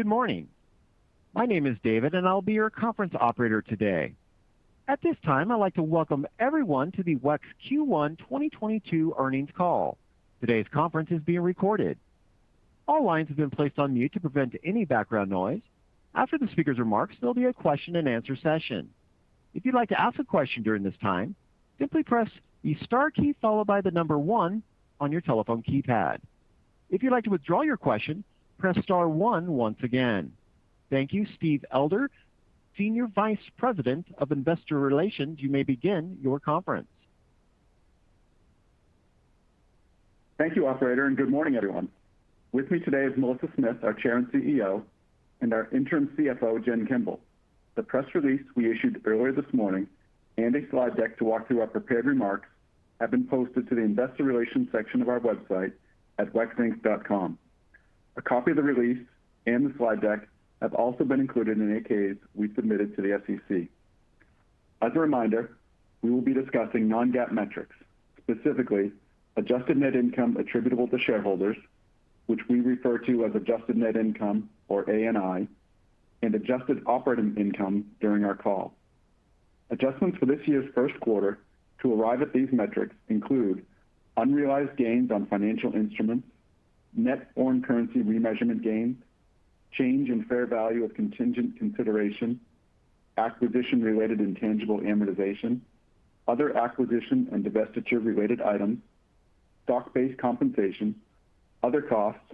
Good morning. My name is David, and I'll be your conference operator today. At this time, I'd like to welcome everyone to the WEX Q1 2022 Earnings Call. Today's conference is being recorded. All lines have been placed on mute to prevent any background noise. After the speaker's remarks, there'll be a question and answer session. If you'd like to ask a question during this time, simply press the star key followed by the number one on your telephone keypad. If you'd like to withdraw your question, press star one once again. Thank you, Steve Elder, Senior Vice President of Investor Relations. You may begin your conference. Thank you, operator, and good morning, everyone. With me today is Melissa Smith, our Chair and CEO, and our Interim CFO, Jen Kimball. The press release we issued earlier this morning and a slide deck to walk through our prepared remarks have been posted to the investor relations section of our website at wexinc.com. A copy of the release and the slide deck have also been included in the 8-Ks we submitted to the SEC. As a reminder, we will be discussing non-GAAP metrics, specifically adjusted net income attributable to shareholders, which we refer to as adjusted net income or ANI, and adjusted operating income during our call. Adjustments for this year's first quarter to arrive at these metrics include unrealized gains on financial instruments, net foreign currency remeasurement gains, change in fair value of contingent consideration, acquisition-related intangible amortization, other acquisition and divestiture-related items, stock-based compensation, other costs,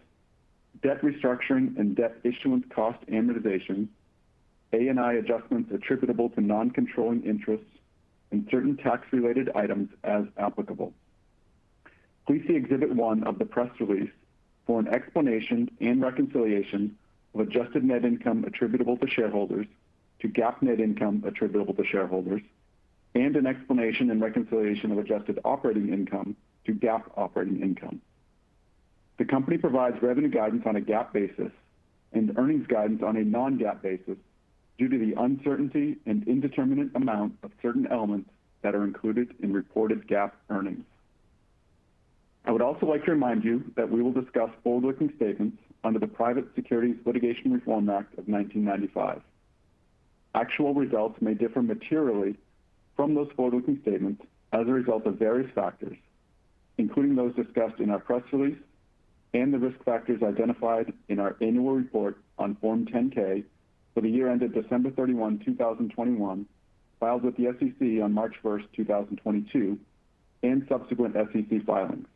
debt restructuring and debt issuance cost amortization, ANI adjustments attributable to non-controlling interests, and certain tax-related items as applicable. Please see Exhibit one of the press release for an explanation and reconciliation of adjusted net income attributable to shareholders to GAAP net income attributable to shareholders and an explanation and reconciliation of adjusted operating income to GAAP operating income. The company provides revenue guidance on a GAAP basis and earnings guidance on a non-GAAP basis due to the uncertainty and indeterminate amount of certain elements that are included in reported GAAP earnings. I would also like to remind you that we will discuss forward-looking statements under the Private Securities Litigation Reform Act of 1995. Actual results may differ materially from those forward-looking statements as a result of various factors, including those discussed in our press release and the risk factors identified in our annual report on Form 10-K for the year ended December 31, 2021, filed with the SEC on March 1, 2022, and subsequent SEC filings.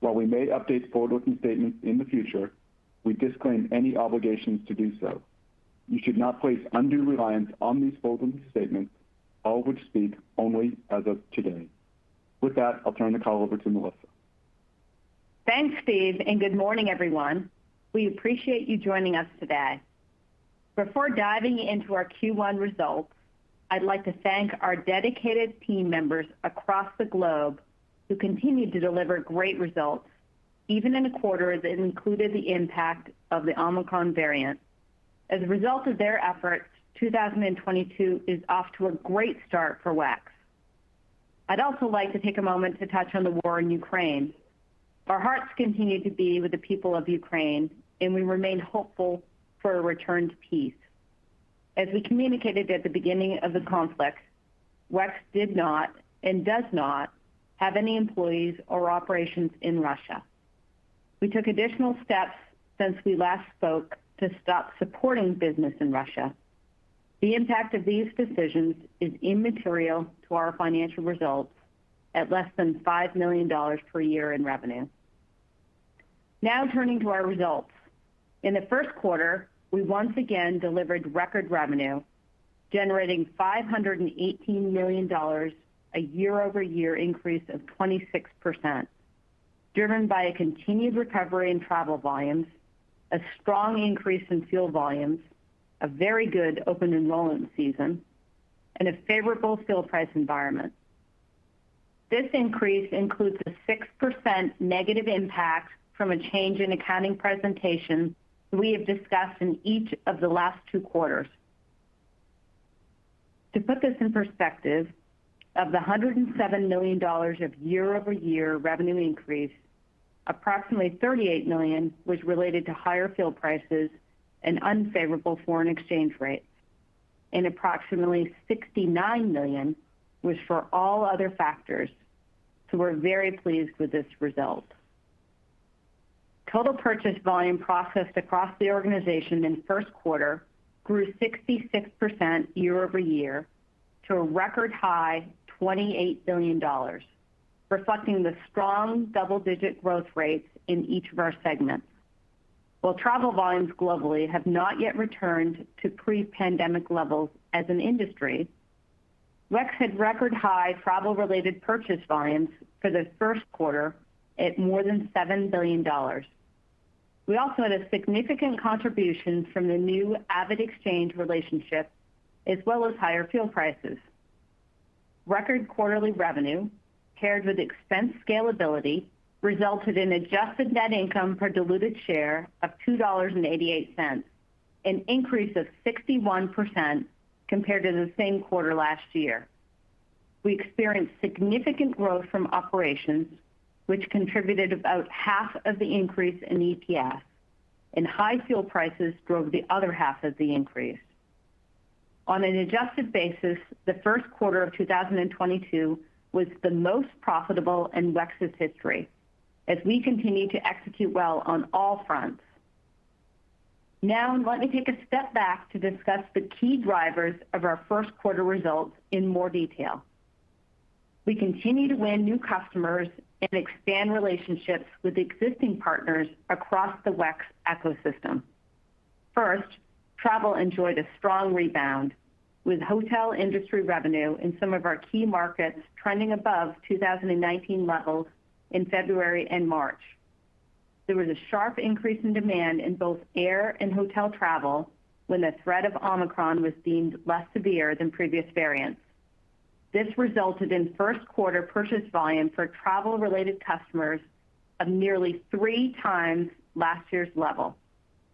While we may update forward-looking statements in the future, we disclaim any obligations to do so. You should not place undue reliance on these forward-looking statements, all which speak only as of today. With that, I'll turn the call over to Melissa. Thanks, Steve, and good morning, everyone. We appreciate you joining us today. Before diving into our Q1 results, I'd like to thank our dedicated team members across the globe who continue to deliver great results, even in a quarter that included the impact of the Omicron variant. As a result of their efforts, 2022 is off to a great start for WEX. I'd also like to take a moment to touch on the war in Ukraine. Our hearts continue to be with the people of Ukraine, and we remain hopeful for a return to peace. As we communicated at the beginning of the conflict, WEX did not and does not have any employees or operations in Russia. We took additional steps since we last spoke to stop supporting business in Russia. The impact of these decisions is immaterial to our financial results at less than $5 million per year in revenue. Now turning to our results. In the first quarter, we once again delivered record revenue, generating $518 million, a year-over-year increase of 26%, driven by a continued recovery in travel volumes, a strong increase in fuel volumes, a very good open enrollment season, and a favorable fuel price environment. This increase includes a 6% negative impact from a change in accounting presentation we have discussed in each of the last two quarters. To put this in perspective, of the $107 million of year-over-year revenue increase, approximately $38 million was related to higher fuel prices and unfavorable foreign exchange rates, and approximately $69 million was for all other factors, so we're very pleased with this result. Total purchase volume processed across the organization in first quarter grew 66% year-over-year to a record high $28 billion, reflecting the strong double-digit growth rates in each of our segments. While travel volumes globally have not yet returned to pre-pandemic levels as an industry, WEX had record high travel-related purchase volumes for the first quarter at more than $7 billion. We also had a significant contribution from the new AvidXchange relationship, as well as higher fuel prices. Record quarterly revenue paired with expense scalability resulted in adjusted net income per diluted share of $2.88, an increase of 61% compared to the same quarter last year. We experienced significant growth from operations, which contributed about half of the increase in EPS. High fuel prices drove the other half of the increase. On an adjusted basis, the first quarter of 2022 was the most profitable in WEX's history as we continue to execute well on all fronts. Now let me take a step back to discuss the key drivers of our first quarter results in more detail. We continue to win new customers and expand relationships with existing partners across the WEX ecosystem. First, travel enjoyed a strong rebound with hotel industry revenue in some of our key markets trending above 2019 levels in February and March. There was a sharp increase in demand in both air and hotel travel when the threat of Omicron was deemed less severe than previous variants. This resulted in first quarter purchase volume for travel-related customers of nearly 3x last year's level,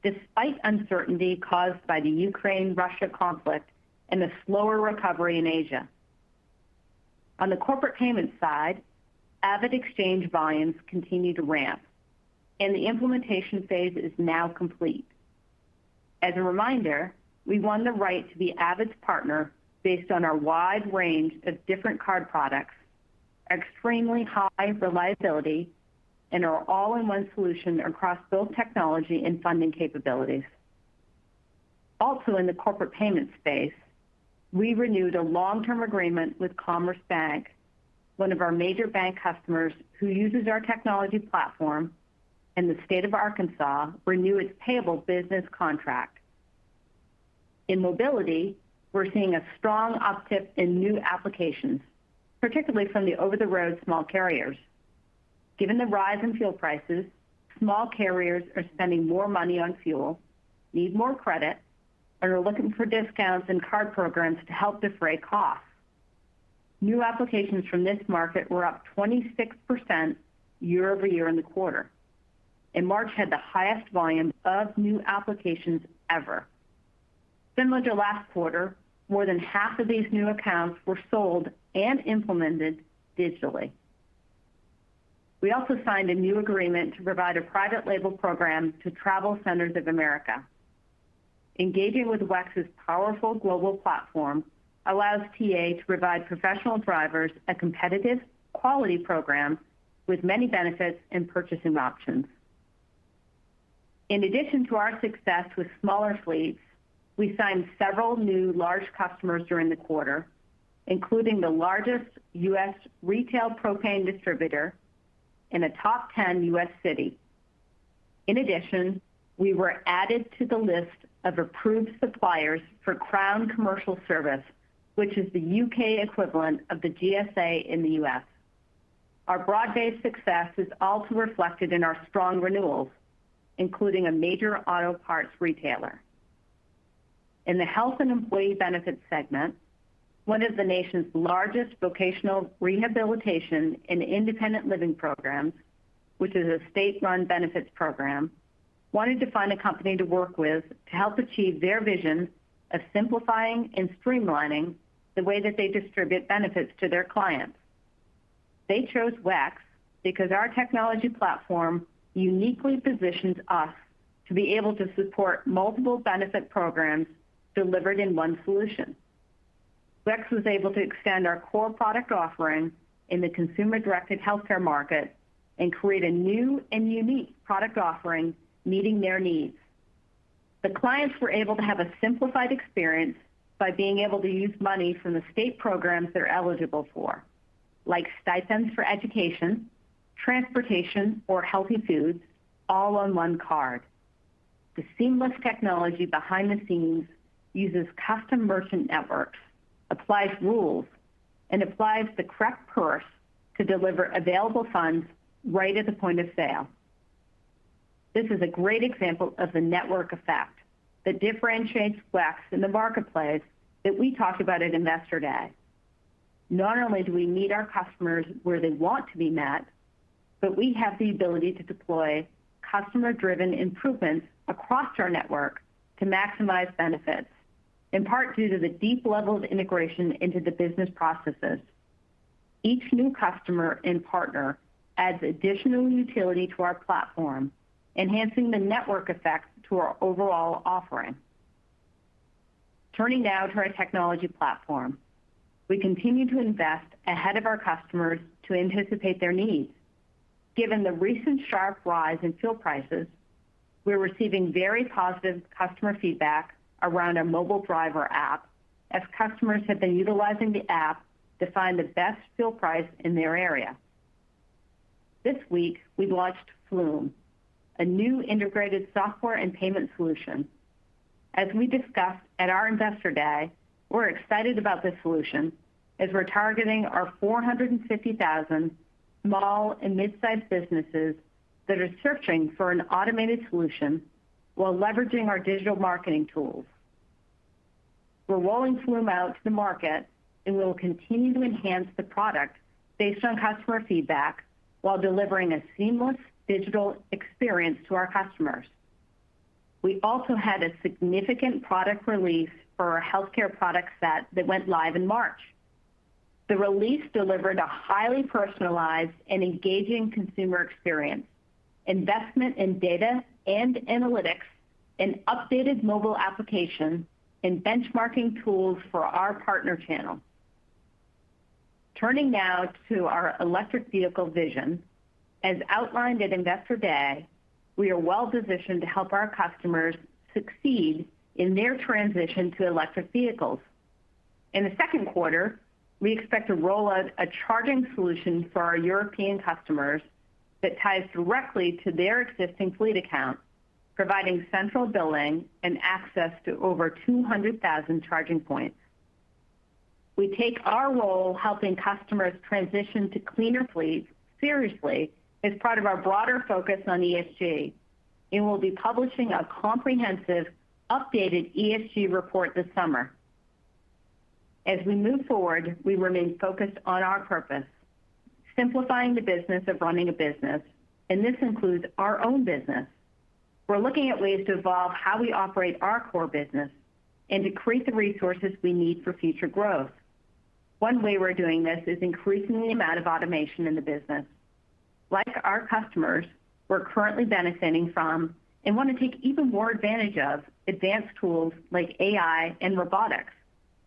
despite uncertainty caused by the Ukraine-Russia conflict and the slower recovery in Asia. On the corporate payment side, AvidXchange volumes continue to ramp and the implementation phase is now complete. As a reminder, we won the right to be Avid's partner based on our wide range of different card products, extremely high reliability, and our all-in-one solution across both technology and funding capabilities. Also in the corporate payment space, we renewed a long-term agreement with Commerce Bank, one of our major bank customers who uses our technology platform, and the State of Arkansas renewed its payables business contract. In mobility, we're seeing a strong uptick in new applications, particularly from the over-the-road small carriers. Given the rise in fuel prices, small carriers are spending more money on fuel, need more credit, and are looking for discounts and card programs to help defray costs. New applications from this market were up 26% year-over-year in the quarter, and March had the highest volume of new applications ever. Similar to last quarter, more than half of these new accounts were sold and implemented digitally. We also signed a new agreement to provide a private label program to TravelCenters of America. Engaging with WEX's powerful global platform allows TA to provide professional drivers a competitive quality program with many benefits and purchasing options. In addition to our success with smaller fleets, we signed several new large customers during the quarter, including the largest U.S. retail propane distributor in a top 10 U.S. city. In addition, we were added to the list of approved suppliers for Crown Commercial Service, which is the U.K. equivalent of the GSA in the U.S. Our broad-based success is also reflected in our strong renewals, including a major auto parts retailer. In the health and employee benefits segment, one of the nation's largest vocational rehabilitation and independent living programs, which is a state-run benefits program, wanted to find a company to work with to help achieve their vision of simplifying and streamlining the way that they distribute benefits to their clients. They chose WEX because our technology platform uniquely positions us to be able to support multiple benefit programs delivered in one solution. WEX was able to extend our core product offering in the consumer-directed healthcare market and create a new and unique product offering meeting their needs. The clients were able to have a simplified experience by being able to use money from the state programs they're eligible for, like stipends for education, transportation or healthy foods all on one card. The seamless technology behind the scenes uses custom merchant networks, applies rules, and applies the correct purse to deliver available funds right at the point of sale. This is a great example of the network effect that differentiates WEX in the marketplace that we talked about at Investor Day. Not only do we meet our customers where they want to be met, but we have the ability to deploy customer-driven improvements across our network to maximize benefits, in part due to the deep levels integration into the business processes. Each new customer and partner adds additional utility to our platform, enhancing the network effect to our overall offering. Turning now to our technology platform. We continue to invest ahead of our customers to anticipate their needs. Given the recent sharp rise in fuel prices, we're receiving very positive customer feedback around our mobile driver app as customers have been utilizing the app to find the best fuel price in their area. This week we launched Flume, a new integrated software and payment solution. As we discussed at our Investor Day, we're excited about this solution as we're targeting our 450,000 small and mid-sized businesses that are searching for an automated solution while leveraging our digital marketing tools. We're rolling Flume out to the market, and we will continue to enhance the product based on customer feedback while delivering a seamless digital experience to our customers. We also had a significant product release for our healthcare product set that went live in March. The release delivered a highly personalized and engaging consumer experience, investment in data and analytics and updated mobile application and benchmarking tools for our partner channel. Turning now to our electric vehicle vision. As outlined at Investor Day, we are well-positioned to help our customers succeed in their transition to electric vehicles. In the second quarter, we expect to roll out a charging solution for our European customers that ties directly to their existing fleet account, providing central billing and access to over 200,000 charging points. We take our role helping customers transition to cleaner fleets seriously as part of our broader focus on ESG, and we'll be publishing a comprehensive updated ESG report this summer. As we move forward, we remain focused on our purpose, simplifying the business of running a business, and this includes our own business. We're looking at ways to evolve how we operate our core business and decrease the resources we need for future growth. One way we're doing this is increasing the amount of automation in the business. Like our customers, we're currently benefiting from and wanna take even more advantage of advanced tools like AI and robotics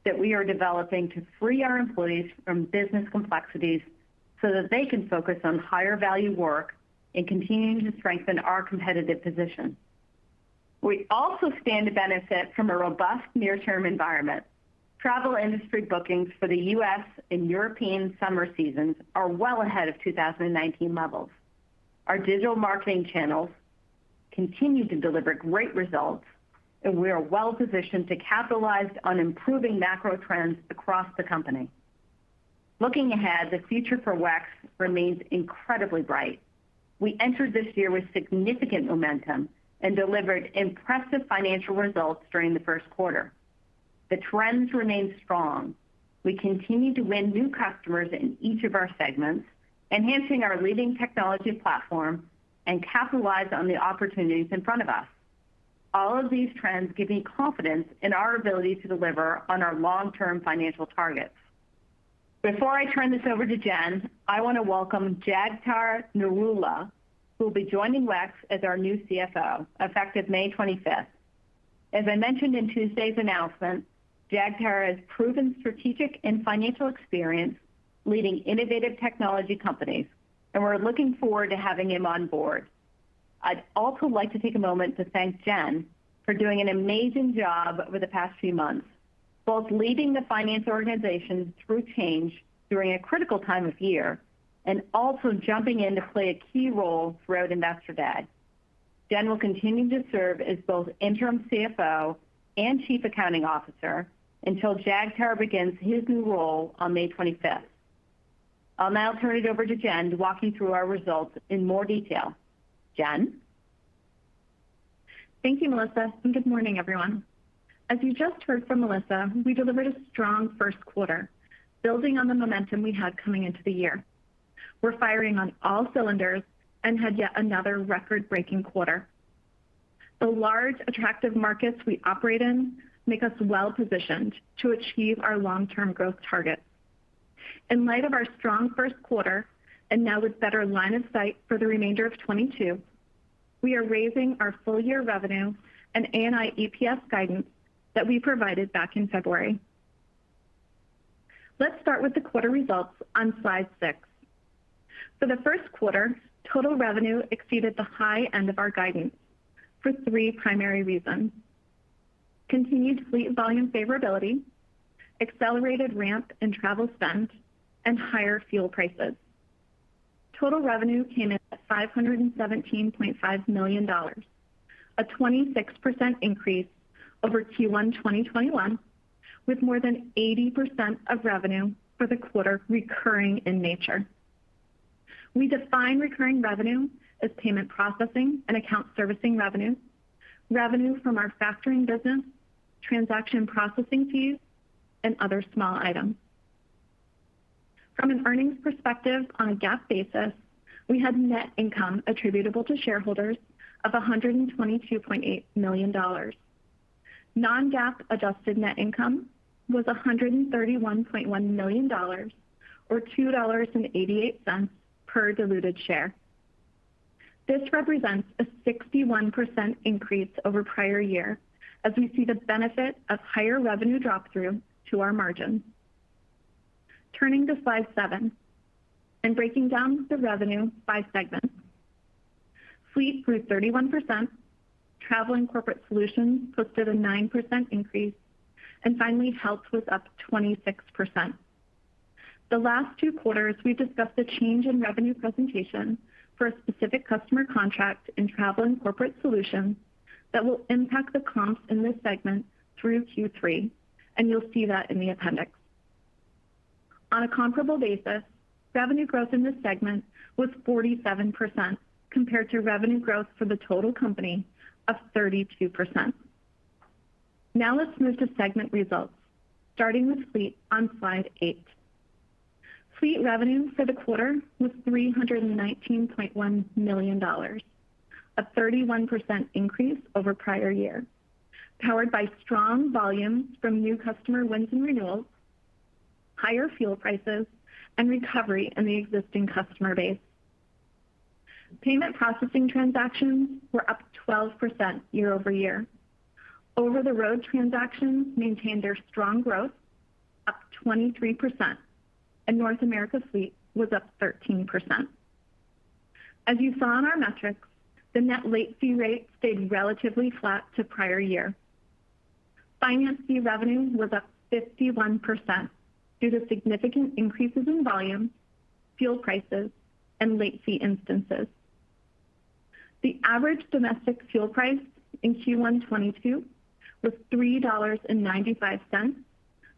that we are developing to free our employees from business complexities so that they can focus on higher value work and continuing to strengthen our competitive position. We also stand to benefit from a robust near-term environment. Travel industry bookings for the U.S. and European summer seasons are well ahead of 2019 levels. Our digital marketing channels continue to deliver great results, and we are well positioned to capitalize on improving macro trends across the company. Looking ahead, the future for WEX remains incredibly bright. We entered this year with significant momentum and delivered impressive financial results during the first quarter. The trends remain strong. We continue to win new customers in each of our segments, enhancing our leading technology platform and capitalize on the opportunities in front of us. All of these trends give me confidence in our ability to deliver on our long-term financial targets. Before I turn this over to Jen, I wanna welcome Jagtar Narula, who will be joining WEX as our new CFO, effective May 25th. As I mentioned in Tuesday's announcement, Jagtar has proven strategic and financial experience leading innovative technology companies, and we're looking forward to having him on board. I'd also like to take a moment to thank Jen for doing an amazing job over the past few months, both leading the finance organization through change during a critical time of year and also jumping in to play a key role throughout Investor Day. Jen will continue to serve as both Interim CFO and Chief Accounting Officer until Jagtar begins his new role on May 25th. I'll now turn it over to Jen to walk you through our results in more detail. Jen. Thank you, Melissa, and good morning, everyone. As you just heard from Melissa, we delivered a strong first quarter, building on the momentum we had coming into the year. We're firing on all cylinders and had yet another record-breaking quarter. The large attractive markets we operate in make us well-positioned to achieve our long-term growth targets. In light of our strong first quarter and now with better line of sight for the remainder of 2022, we are raising our full year revenue and ANI EPS guidance that we provided back in February. Let's start with the quarter results on slide six. For the first quarter, total revenue exceeded the high end of our guidance for three primary reasons. Continued fleet volume favorability, accelerated ramp and travel spend, and higher fuel prices. Total revenue came in at $517.5 million, a 26% increase over Q1 2021, with more than 80% of revenue for the quarter recurring in nature. We define recurring revenue as payment processing and account servicing revenue from our factoring business, transaction processing fees, and other small items. From an earnings perspective on a GAAP basis, we had net income attributable to shareholders of $122.8 million. non-GAAP adjusted net income was $131.1 million or $2.88 per diluted share. This represents a 61% increase over prior year as we see the benefit of higher revenue drop-through to our margin. Turning to slide seven and breaking down the revenue by segment. Fleet grew 31%, travel and corporate solutions posted a 9% increase, and finally, health was up 26%. The last two quarters, we've discussed a change in revenue presentation for a specific customer contract in travel and corporate solutions that will impact the comps in this segment through Q3, and you'll see that in the appendix. On a comparable basis, revenue growth in this segment was 47% compared to revenue growth for the total company of 32%. Now let's move to segment results, starting with Fleet on slide eight. Fleet revenue for the quarter was $319.1 million, a 31% increase over prior year, powered by strong volumes from new customer wins and renewals, higher fuel prices, and recovery in the existing customer base. Payment processing transactions were up 12% year-over-year. Over the road transactions maintained their strong growth, up 23%, and North America Fleet was up 13%. As you saw in our metrics, the net late fee rate stayed relatively flat to prior year. Finance fee revenue was up 51% due to significant increases in volume, fuel prices, and late fee instances. The average domestic fuel price in Q1 2022 was $3.95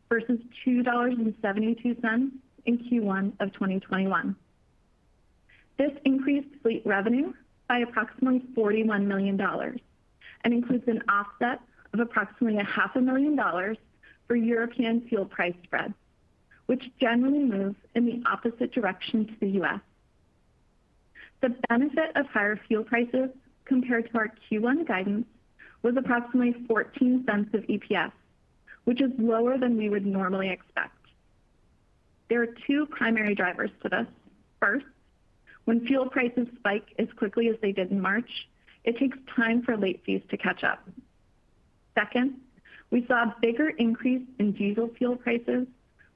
versus $2.72 in Q1 of 2021. This increased fleet revenue by approximately $41 million and includes an offset of approximately half a million dollars for European fuel price spreads, which generally moves in the opposite direction to the U.S. The benefit of higher fuel prices compared to our Q1 guidance was approximately $0.14 of EPS, which is lower than we would normally expect. There are two primary drivers to this. First, when fuel prices spike as quickly as they did in March, it takes time for late fees to catch up. Second, we saw a bigger increase in diesel fuel prices,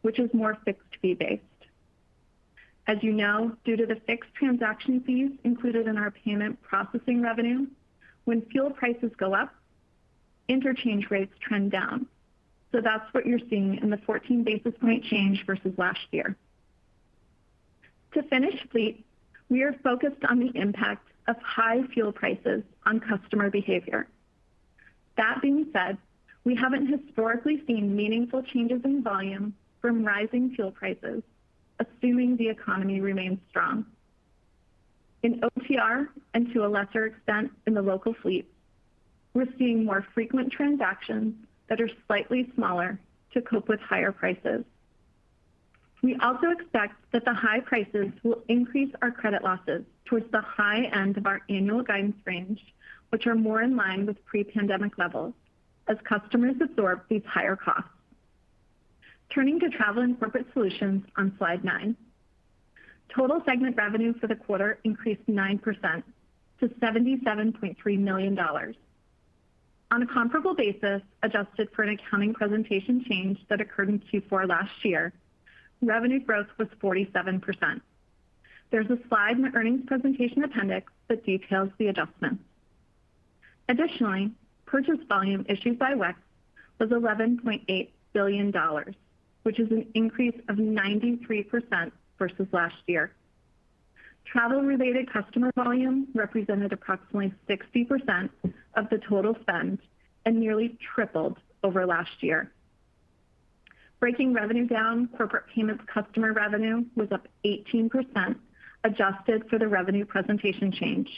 which is more fixed fee based. As you know, due to the fixed transaction fees included in our payment processing revenue, when fuel prices go up, interchange rates trend down. That's what you're seeing in the 14 basis point change versus last year. To finish Fleet, we are focused on the impact of high fuel prices on customer behavior. That being said, we haven't historically seen meaningful changes in volume from rising fuel prices, assuming the economy remains strong. In OTR and to a lesser extent in the local fleet, we're seeing more frequent transactions that are slightly smaller to cope with higher prices. We also expect that the high prices will increase our credit losses towards the high end of our annual guidance range, which are more in line with pre-pandemic levels as customers absorb these higher costs. Turning to Travel and Corporate Solutions on slide nine. Total segment revenue for the quarter increased 9% to $77.3 million. On a comparable basis, adjusted for an accounting presentation change that occurred in Q4 last year, revenue growth was 47%. There's a slide in the earnings presentation appendix that details the adjustment. Additionally, purchase volume issued by WEX was $11 billion, which is an increase of 93% versus last year. Travel-related customer volume represented approximately 60% of the total spend and nearly tripled over last year. Breaking revenue down, corporate payments customer revenue was up 18%, adjusted for the revenue presentation change,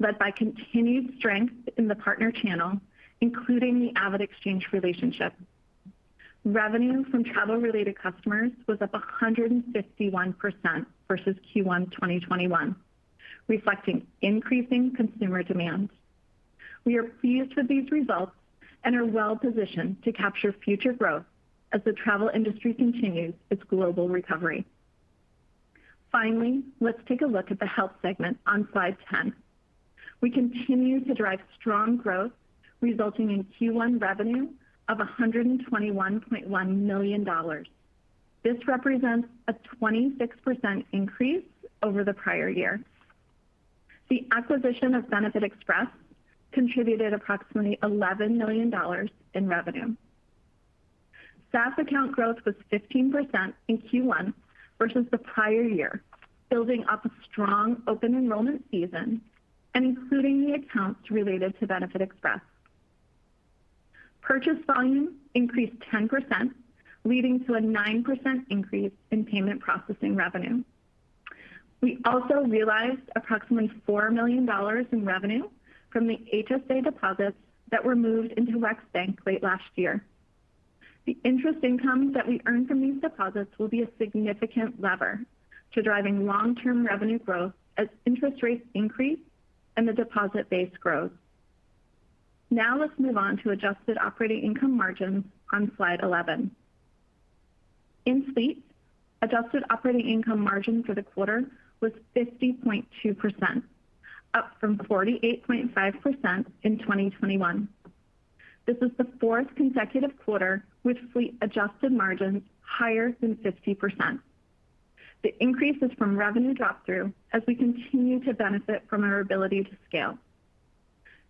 led by continued strength in the partner channel, including the AvidXchange relationship. Revenue from travel-related customers was up 151% versus Q1 2021, reflecting increasing consumer demand. We are pleased with these results and are well positioned to capture future growth as the travel industry continues its global recovery. Finally, let's take a look at the health segment on slide 10. We continue to drive strong growth resulting in Q1 revenue of $121.1 million. This represents a 26% increase over the prior year. The acquisition of BenefitExpress contributed approximately $11 million in revenue. SaaS account growth was 15% in Q1 versus the prior year, building up a strong open enrollment season and including the accounts related to benefitexpress. Purchase volume increased 10%, leading to a 9% increase in payment processing revenue. We also realized approximately $4 million in revenue from the HSA deposits that were moved into WEX Bank late last year. The interest income that we earn from these deposits will be a significant lever to driving long-term revenue growth as interest rates increase and the deposit base grows. Now let's move on to adjusted operating income margin on slide 11. In Fleet, adjusted operating income margin for the quarter was 50.2%, up from 48.5% in 2021. This is the fourth consecutive quarter with Fleet-adjusted margins higher than 50%. The increase is from revenue drop through as we continue to benefit from our ability to scale.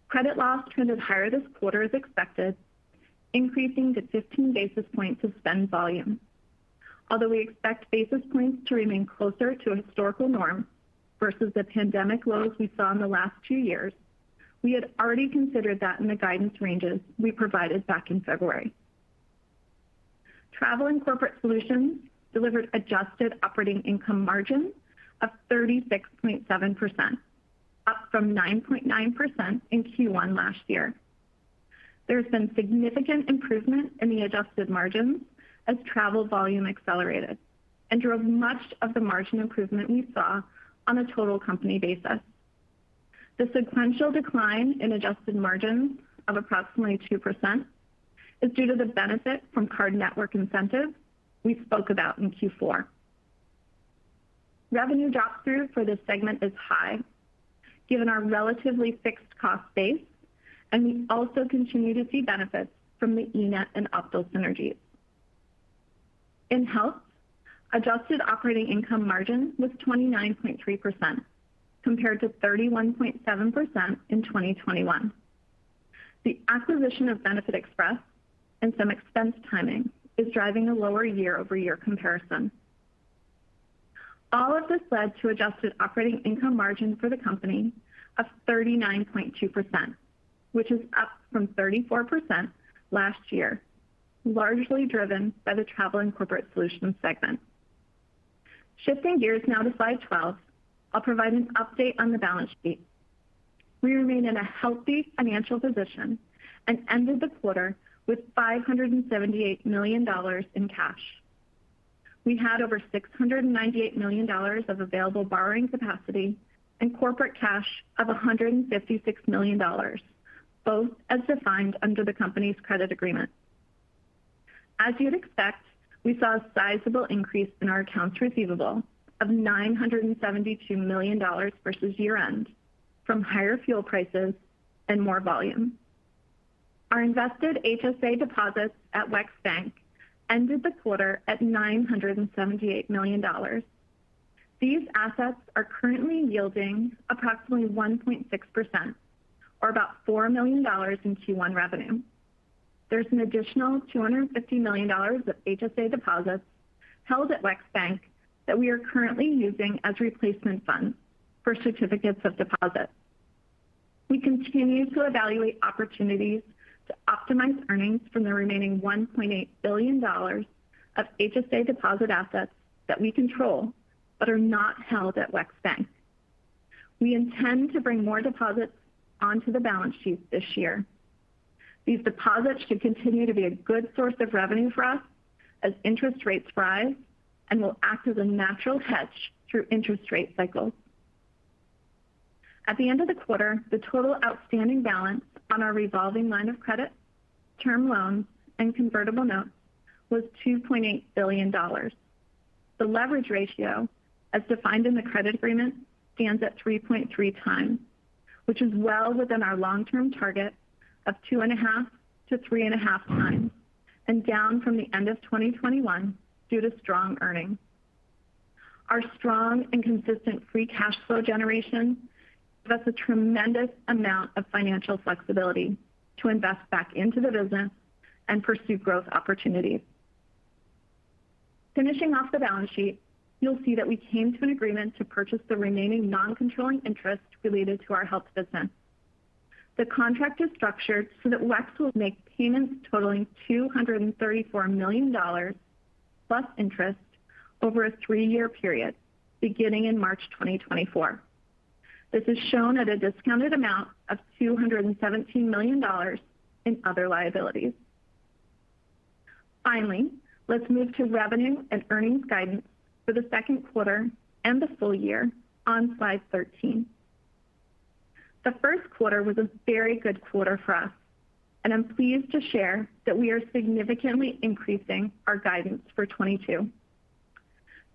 Credit loss trended higher this quarter as expected, increasing to 15 basis points of spend volume. Although we expect basis points to remain closer to historical norms versus the pandemic lows we saw in the last two years, we had already considered that in the guidance ranges we provided back in February. Travel and corporate solutions delivered adjusted operating income margins of 36.7%, up from 9.9% in Q1 last year. There's been significant improvement in the adjusted margins as travel volume accelerated and drove much of the margin improvement we saw on a total company basis. The sequential decline in adjusted margins of approximately 2% is due to the benefit from card network incentives we spoke about in Q4. Revenue drop-through for this segment is high given our relatively fixed cost base, and we also continue to see benefits from the eNett and Optal synergies. In health, adjusted operating income margin was 29.3% compared to 31.7% in 2021. The acquisition of BenefitExpress and some expense timing is driving a lower year-over-year comparison. All of this led to adjusted operating income margin for the company of 39.2%, which is up from 34% last year, largely driven by the travel and corporate solutions segment. Shifting gears now to slide 12, I'll provide an update on the balance sheet. We remain in a healthy financial position and ended the quarter with $578 million in cash. We had over $698 million of available borrowing capacity and corporate cash of $156 million, both as defined under the company's credit agreement. As you'd expect, we saw a sizable increase in our accounts receivable of $972 million versus year-end from higher fuel prices and more volume. Our invested HSA deposits at WEX Bank ended the quarter at $978 million. These assets are currently yielding approximately 1.6% or about $4 million in Q1 revenue. There's an additional $250 million of HSA deposits held at WEX Bank that we are currently using as replacement funds for certificates of deposit. We continue to evaluate opportunities to optimize earnings from the remaining $1.8 billion of HSA deposit assets that we control but are not held at WEX Bank. We intend to bring more deposits onto the balance sheet this year. These deposits should continue to be a good source of revenue for us as interest rates rise and will act as a natural hedge through interest rate cycles. At the end of the quarter, the total outstanding balance on our revolving line of credit, term loans, and convertible notes was $2.8 billion. The leverage ratio, as defined in the credit agreement, stands at 3.3x, which is well within our long-term target of 2.5x-3.5x and down from the end of 2021 due to strong earnings. Our strong and consistent free cash flow generation provides a tremendous amount of financial flexibility to invest back into the business and pursue growth opportunities. Finishing off the balance sheet, you'll see that we came to an agreement to purchase the remaining non-controlling interest related to our health business. The contract is structured so that WEX will make payments totaling $234 million plus interest over a three year period beginning in March 2024. This is shown at a discounted amount of $217 million in other liabilities. Finally, let's move to revenue and earnings guidance for the second quarter and the full year on slide 13. The first quarter was a very good quarter for us, and I'm pleased to share that we are significantly increasing our guidance for 2022.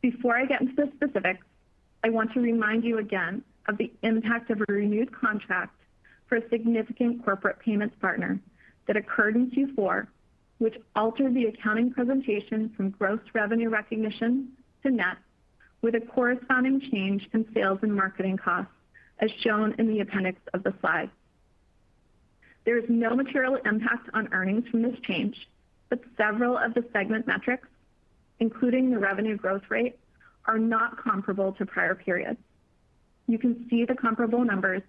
Before I get into the specifics, I want to remind you again of the impact of a renewed contract for a significant corporate payments partner that occurred in Q4, which altered the accounting presentation from gross revenue recognition to net, with a corresponding change in sales and marketing costs as shown in the appendix of the slide. There is no material impact on earnings from this change, but several of the segment metrics, including the revenue growth rate, are not comparable to prior periods. You can see the comparable numbers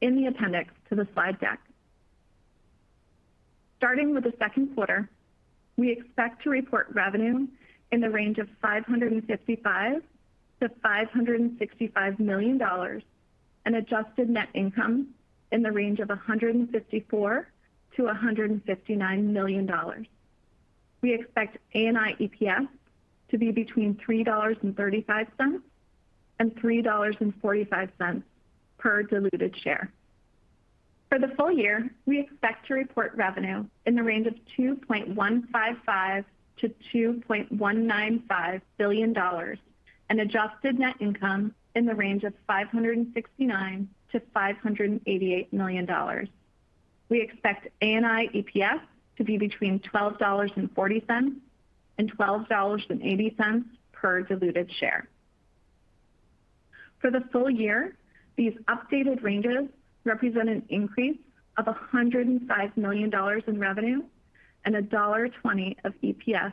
in the appendix to the slide deck. Starting with the second quarter, we expect to report revenue in the range of $555 million-$565 million and adjusted net income in the range of $154 million-$159 million. We expect ANI EPS to be between $3.35-$3.45 per diluted share. For the full year, we expect to report revenue in the range of $2.155 billion-$2.195 billion and adjusted net income in the range of $569 million-$588 million. We expect ANI EPS to be between $12.40-$12.80 per diluted share. For the full year, these updated ranges represent an increase of $105 million in revenue and $1.20 of EPS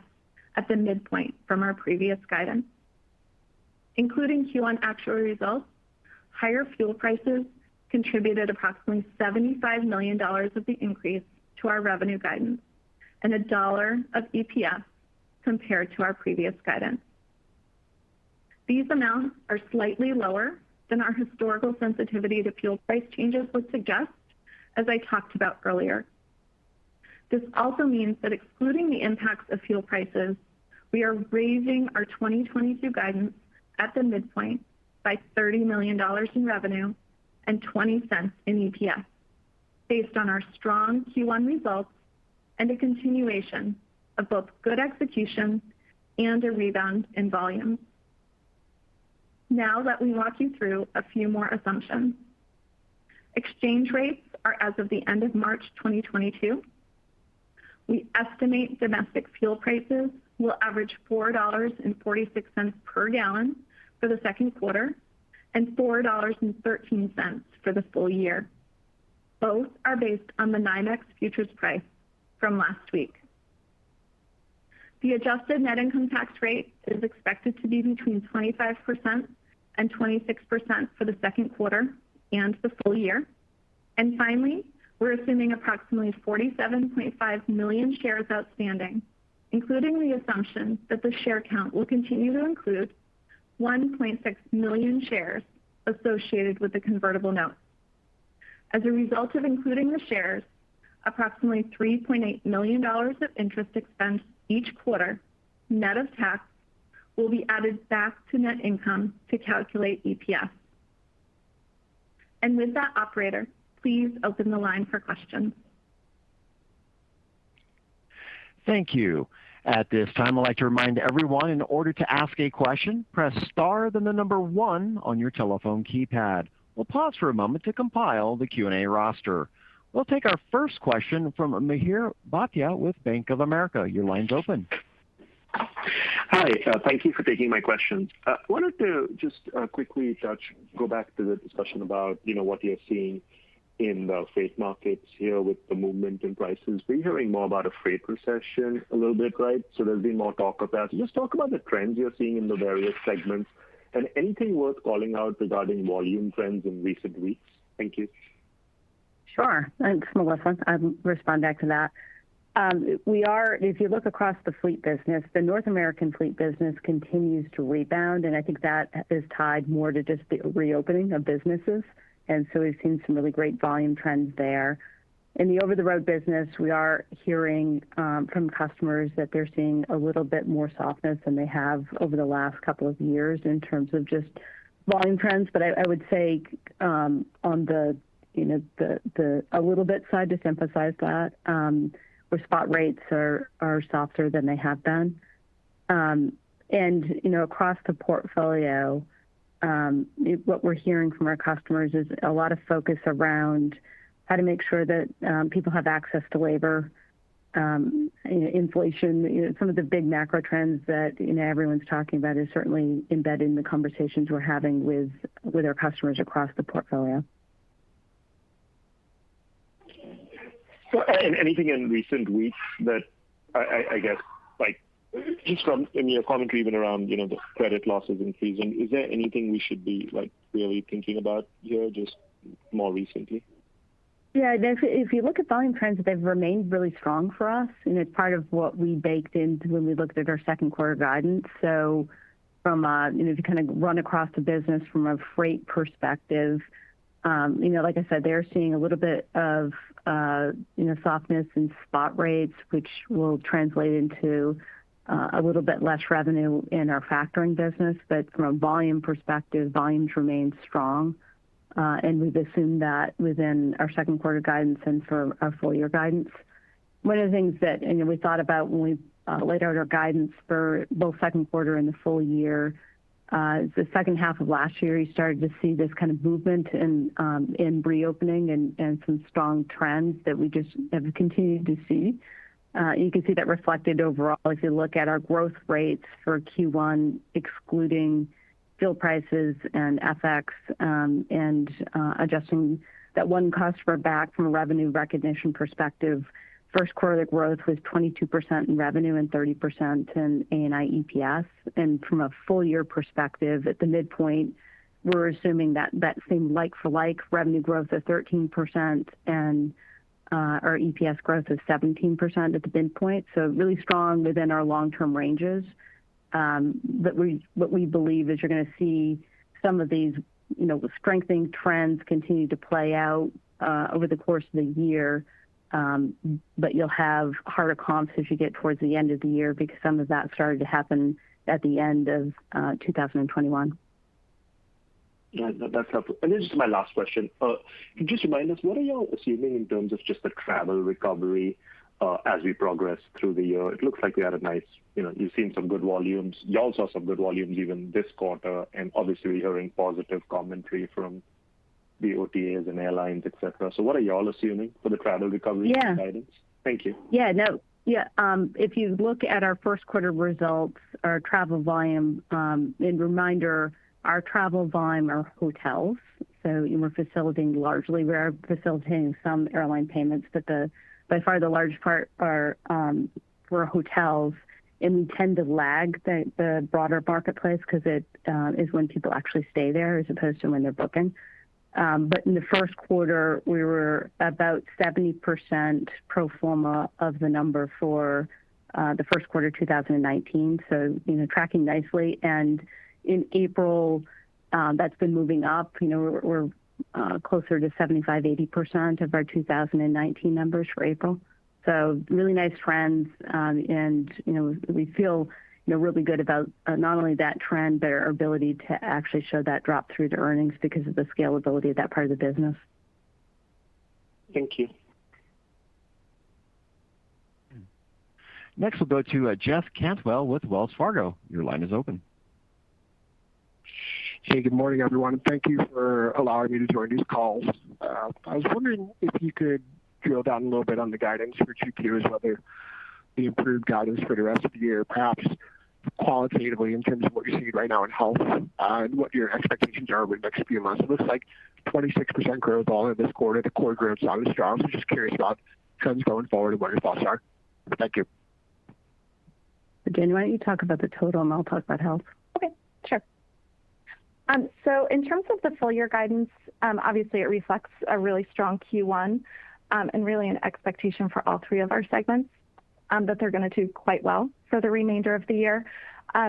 at the midpoint from our previous guidance. Including Q1 actual results, higher fuel prices contributed approximately $75 million of the increase to our revenue guidance and $1 of EPS compared to our previous guidance. These amounts are slightly lower than our historical sensitivity to fuel price changes would suggest, as I talked about earlier. This also means that excluding the impacts of fuel prices, we are raising our 2022 guidance at the midpoint by $30 million in revenue and $0.20 in EPS based on our strong Q1 results and a continuation of both good execution and a rebound in volume. Now let me walk you through a few more assumptions. Exchange rates are as of the end of March 2022. We estimate domestic fuel prices will average $4.46 per gallon for the second quarter and $4.13 for the full year. Both are based on the NYMEX futures price from last week. The adjusted net income tax rate is expected to be between 25%-26% for the second quarter and the full year. Finally, we're assuming approximately 47.5 million shares outstanding, including the assumption that the share count will continue to include 1.6 million shares associated with the convertible note. As a result of including the shares, approximately $3.8 million of interest expense each quarter, net of tax, will be added back to net income to calculate EPS. With that, operator, please open the line for questions. Thank you. At this time, I'd like to remind everyone in order to ask a question, press star then the number one on your telephone keypad. We'll pause for a moment to compile the Q&A roster. We'll take our first question from Mihir Bhatia with Bank of America. Your line's open. Hi. Thank you for taking my question. I wanted to just quickly go back to the discussion about, you know, what you're seeing in the freight markets here with the movement in prices. We're hearing more about a freight recession a little bit, right? Just talk about the trends you're seeing in the various segments and anything worth calling out regarding volume trends in recent weeks. Thank you. Sure. This is Melissa and I'll respond back to that. If you look across the fleet business, the North American fleet business continues to rebound, and I think that is tied more to just the reopening of businesses. We've seen some really great volume trends there. In the over-the-road business, we are hearing from customers that they're seeing a little bit more softness than they have over the last couple of years in terms of just volume trends. I would say on the, you know, a little bit side to emphasize that where spot rates are softer than they have been. You know, across the portfolio, what we're hearing from our customers is a lot of focus around how to make sure that people have access to labor, inflation. You know, some of the big macro trends that, you know, everyone's talking about is certainly embedded in the conversations we're having with our customers across the portfolio. Anything in recent weeks that I guess, like, just from your commentary even around, you know, the credit losses increasing, is there anything we should be, like, really thinking about here just more recently? Yeah. If you look at volume trends, they've remained really strong for us, and it's part of what we baked into when we looked at our second quarter guidance. You know, if you kind of run across the business from a freight perspective, you know, like I said, they're seeing a little bit of you know, softness in spot rates, which will translate into a little bit less revenue in our factoring business. From a volume perspective, volumes remain strong, and we've assumed that within our second quarter guidance and for our full year guidance. One of the things that, you know, we thought about when we laid out our guidance for both second quarter and the full year is the second half of last year, you started to see this kind of movement in reopening and some strong trends that we just have continued to see. You can see that reflected overall if you look at our growth rates for Q1 excluding fuel prices and FX, and adjusting that one customer back from a revenue recognition perspective. First quarter growth was 22% in revenue and 30% in ANI EPS. From a full year perspective, at the midpoint, we're assuming that same like for like revenue growth of 13% and our EPS growth of 17% at the midpoint. Really strong within our long-term ranges. What we believe is you're gonna see some of these, you know, strengthening trends continue to play out over the course of the year. You'll have harder comps as you get towards the end of the year because some of that started to happen at the end of 2021. Yeah. That's helpful. This is my last question. Can you just remind us what are y'all assuming in terms of just the travel recovery, as we progress through the year? It looks like we had a nice. You know, you've seen some good volumes. Y'all saw some good volumes even this quarter, and obviously we're hearing positive commentary from the OTAs and airlines, et cetera. What are you all assuming for the travel recovery? Yeah Guidance? Thank you. Yeah, no. Yeah, if you look at our first quarter results, our travel volume, and reminder our travel volume are hotels, so and we're facilitating largely, we are facilitating some airline payments, but by far the large part are, we're hotels, and we tend to lag the broader marketplace because it is when people actually stay there as opposed to when they're booking. In the first quarter, we were about 70% pro forma of the number for the first quarter 2019. You know, tracking nicely. In April, that's been moving up. You know, we're closer to 75%-80% of our 2019 numbers for April. Really nice trends. You know, we feel, you know, really good about not only that trend, but our ability to actually show that drop through to earnings because of the scalability of that part of the business. Thank you. Next, we'll go to, Jeff Cantwell with Wells Fargo. Your line is open. Hey, good morning, everyone, and thank you for allowing me to join these calls. I was wondering if you could drill down a little bit on the guidance for two years, whether the improved guidance for the rest of the year, perhaps qualitatively in terms of what you're seeing right now in health and what your expectations are over the next few months. It looks like 26% growth all in this quarter. The core growth sounds strong, so just curious about trends going forward and what your thoughts are. Thank you. Jen, why don't you talk about the total and I'll talk about health. Okay, sure. In terms of the full year guidance, obviously it reflects a really strong Q1, and really an expectation for all three of our segments, that they're gonna do quite well for the remainder of the year.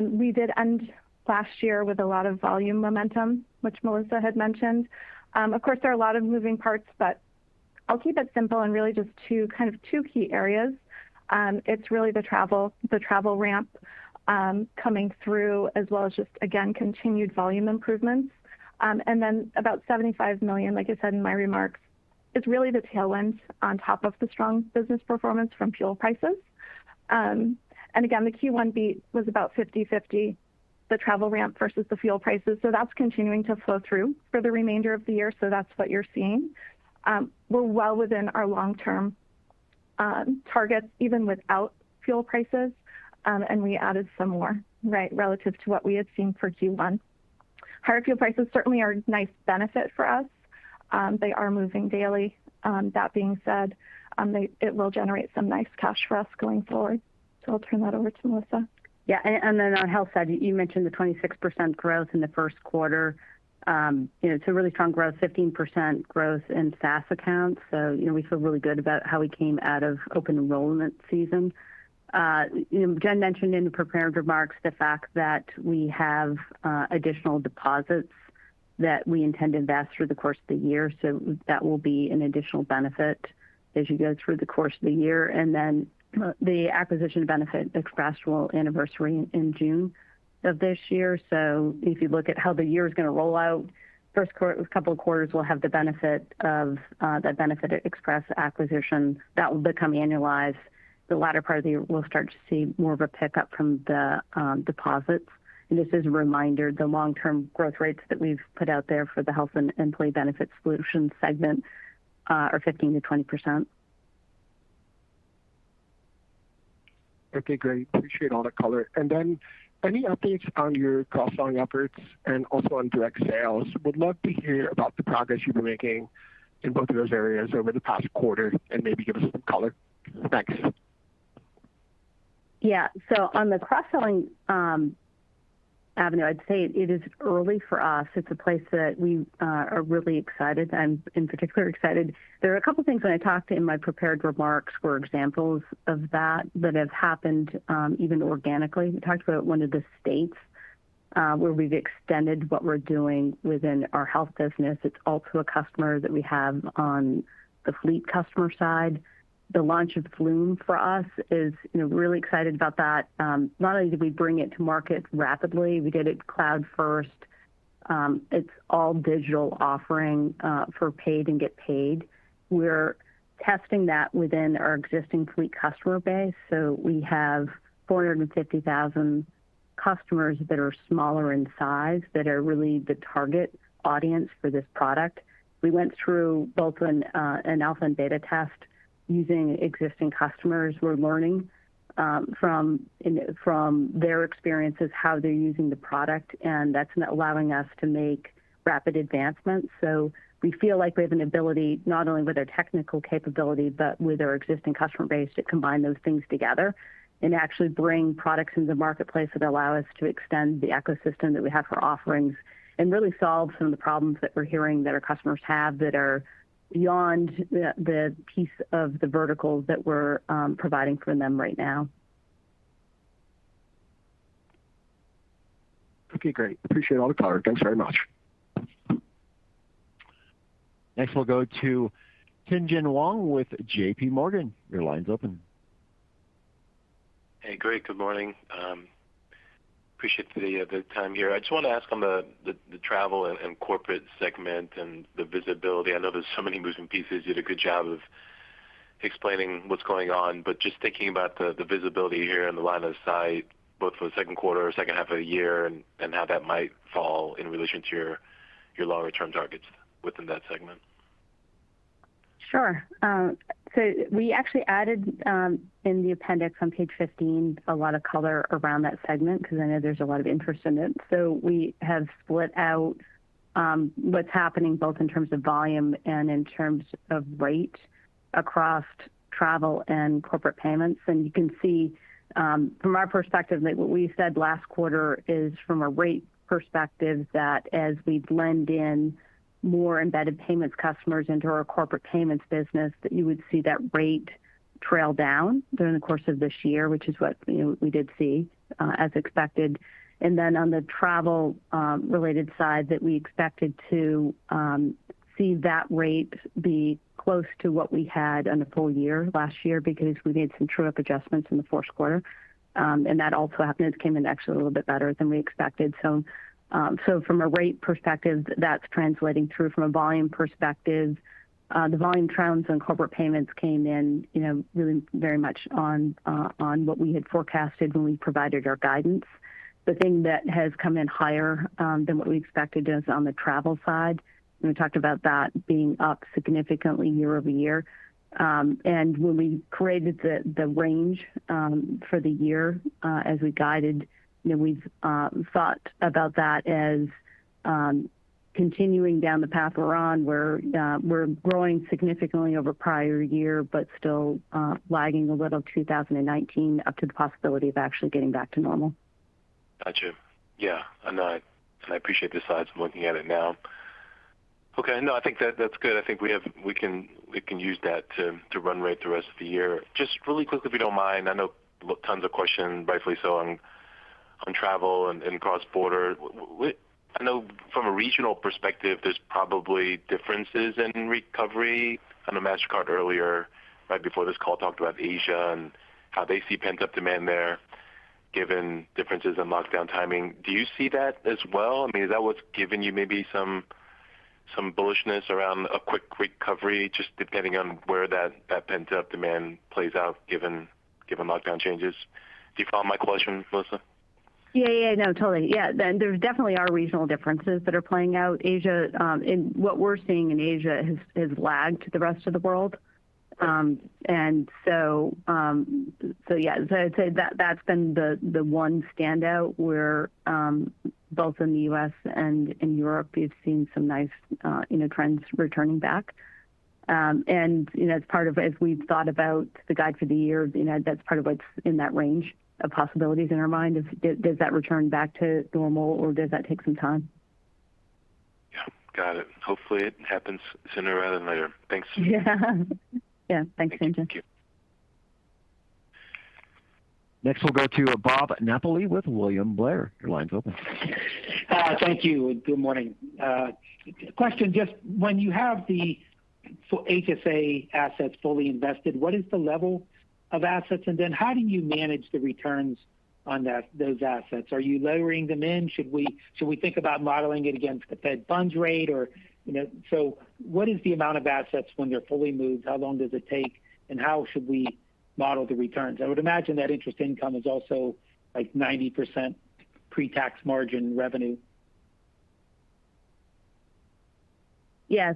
We did end last year with a lot of volume momentum, which Melissa had mentioned. Of course, there are a lot of moving parts, but I'll keep it simple and really just two key areas. It's really the travel ramp coming through as well as just again, continued volume improvements. And then about $75 million, like I said in my remarks, is really the tailwind on top of the strong business performance from fuel prices. And again, the Q1 beat was about 50/50, the travel ramp versus the fuel prices. That's continuing to flow through for the remainder of the year. That's what you're seeing. We're well within our long-term targets, even without fuel prices, and we added some more, right, relative to what we had seen for Q1. Higher fuel prices certainly are a nice benefit for us. They are moving daily. That being said, it will generate some nice cash for us going forward. I'll turn that over to Melissa. On the health side, you mentioned the 26% growth in the first quarter. You know, it's a really strong growth, 15% growth in SaaS accounts. You know, we feel really good about how we came out of open enrollment season. Jen mentioned in the prepared remarks the fact that we have additional deposits that we intend to invest through the course of the year. That will be an additional benefit as you go through the course of the year. The acquisition benefitexpress anniversary in June of this year. If you look at how the year is gonna roll out, first couple of quarters will have the benefit of the benefitexpress acquisition that will become annualized. The latter part of the year, we'll start to see more of a pickup from the, deposits. This is a reminder, the long-term growth rates that we've put out there for the health and employee benefit solutions segment are 15%-20%. Okay, great. Appreciate all the color. Any updates on your cross-selling efforts and also on direct sales? Would love to hear about the progress you've been making in both of those areas over the past quarter and maybe give us some color. Thanks. Yeah. On the cross-selling avenue, I'd say it is early for us. It's a place that we are really excited. I'm in particular excited. There are a couple of things when I talked in my prepared remarks were examples of that that have happened even organically. We talked about one of the states where we've extended what we're doing within our health business. It's all through a customer that we have on the fleet customer side. The launch of Flume for us is, you know, really excited about that. Not only did we bring it to market rapidly, we did it cloud-first. It's all digital offering for pay and get paid. We're testing that within our existing fleet customer base. We have 450,000 customers that are smaller in size that are really the target audience for this product. We went through both an alpha and beta test using existing customers. We're learning from their experiences, how they're using the product, and that's allowing us to make rapid advancements. We feel like we have an ability, not only with our technical capability, but with our existing customer base, to combine those things together and actually bring products into the marketplace that allow us to extend the ecosystem that we have for offerings and really solve some of the problems that we're hearing that our customers have that are beyond the piece of the verticals that we're providing for them right now. Okay, great. Appreciate all the color. Thanks very much. Next, we'll go to Tien-Tsin Huang with JPMorgan. Your line's open. Hey, great. Good morning. Appreciate the time here. I just want to ask on the travel and corporate segment and the visibility. I know there's so many moving pieces. You did a good job of explaining what's going on, but just thinking about the visibility here and the line of sight, both for the second quarter or second half of the year, and how that might fall in relation to your longer-term targets within that segment. Sure. We actually added, in the appendix on page 15 a lot of color around that segment because I know there's a lot of interest in it. We have split out, what's happening both in terms of volume and in terms of rate across travel and corporate payments. You can see, from our perspective that what we said last quarter is from a rate perspective that as we blend in more embedded payments customers into our corporate payments business, that you would see that rate trail down during the course of this year, which is what, you know, we did see, as expected. On the travel related side that we expected to see that rate be close to what we had on the full year last year because we made some true-up adjustments in the fourth quarter. That also happened. It came in actually a little bit better than we expected. From a rate perspective, that's translating through. From a volume perspective, the volume trends on corporate payments came in, you know, really very much on what we had forecasted when we provided our guidance. The thing that has come in higher than what we expected is on the travel side, and we talked about that being up significantly year-over-year. When we created the range for the year, as we guided, you know, we've thought about that as continuing down the path we're on, where we're growing significantly over prior year, but still lagging a little 2019 up to the possibility of actually getting back to normal. Got you. Yeah. I appreciate the slides. I'm looking at it now. Okay. No, I think that's good. I think we can use that to run rate the rest of the year. Just really quickly, if you don't mind. I know tons of questions, rightfully so, on travel and cross-border. I know from a regional perspective, there's probably differences in recovery. I know Mastercard earlier right before this call talked about Asia and how they see pent-up demand there given differences in lockdown timing. Do you see that as well? I mean, is that what's given you maybe some bullishness around a quick recovery just depending on where that pent-up demand plays out given lockdown changes? Do you follow my question, Melissa? Yeah. Yeah. No, totally. Yeah. There definitely are regional differences that are playing out. Asia, and what we're seeing in Asia has lagged the rest of the world. and so yeah. So I'd say that's been the one standout where, both in the U.S. and in Europe, we've seen some nice, you know, trends returning back. and, you know, as part of as we've thought about the guide for the year, you know, that's part of what's in that range of possibilities in our mind is does that return back to normal or does that take some time? Yeah. Got it. Hopefully it happens sooner rather than later. Thanks. Yeah. Yeah. Thanks, Tien-Tsin. Thank you. Next we'll go to Bob Napoli with William Blair. Your line's open. Thank you. Good morning. Question just when you have the HSA assets fully invested, what is the level of assets? And then how do you manage the returns on those assets? Are you lowering them in? Should we think about modeling it against the Fed funds rate or, you know? What is the amount of assets when they're fully moved? How long does it take, and how should we model the returns? I would imagine that interest income is also like 90% pre-tax margin revenue. Yeah.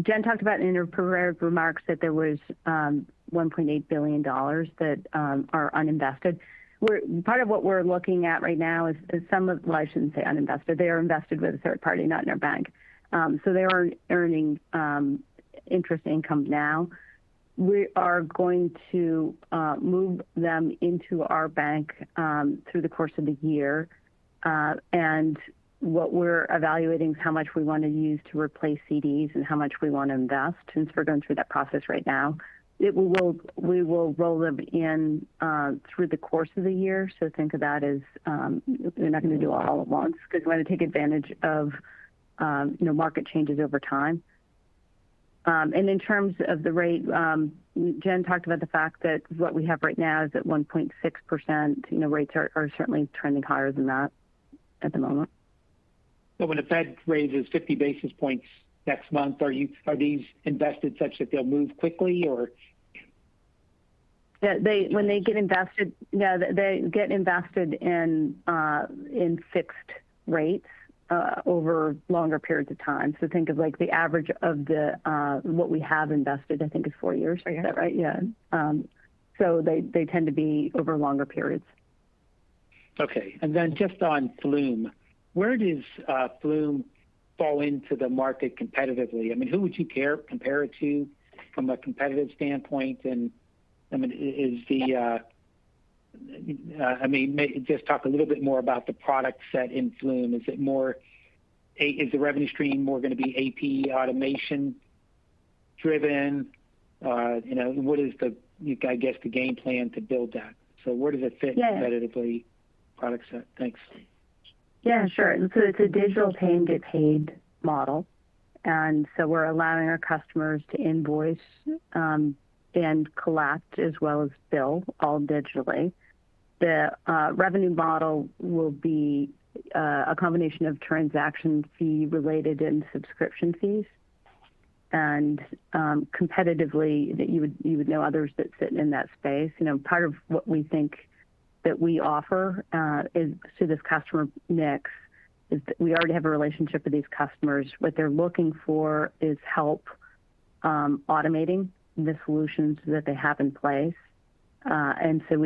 Jen talked about in her prepared remarks that there was $1.8 billion that are uninvested. Part of what we're looking at right now is some of. Well, I shouldn't say uninvested. They are invested with a third party, not in our bank. so they are earning interest income now. We are going to move them into our bank through the course of the year. and what we're evaluating is how much we want to use to replace CDs and how much we want to invest since we're going through that process right now. We will roll them in through the course of the year. Think of that as we're not going to do it all at once because we want to take advantage of you know market changes over time. In terms of the rate, Jen talked about the fact that what we have right now is at 1.6%. You know, rates are certainly trending higher than that at the moment. When the Fed raises 50 basis points next month, are these invested such that they'll move quickly or? They get invested in fixed rates over longer periods of time. Think of like the average of the what we have invested, I think, is four years. Is that right? Yeah. They tend to be over longer periods. Okay. Just on Flume, where does Flume fall into the market competitively? I mean, who would you compare it to from a competitive standpoint? I mean, just talk a little bit more about the product set in Flume. Is the revenue stream more going to be AP automation-driven? You know, what is, I guess, the game plan to build that? Where does it fit? Yeah. Competitive product set? Thanks. Yeah, sure. It's a digital pay and get paid model, and we're allowing our customers to invoice and collect as well as bill all digitally. The revenue model will be a combination of transaction fee related and subscription fees. Competitively, you would know others that sit in that space. You know, part of what we think that we offer to this customer mix is that we already have a relationship with these customers. What they're looking for is help automating the solutions that they have in place.